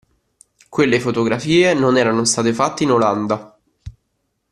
Quelle fotografie non erano state fatte in Olanda.